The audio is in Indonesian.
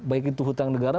baik itu hutang negara